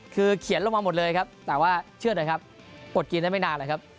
คือเขียนลงมาหมดเลยครับแต่ว่าเชื่อหน่อยครับอดกินได้ไม่นานแล้วครับ